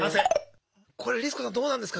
これリス子さんどうなんですか？